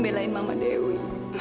belain mama dewi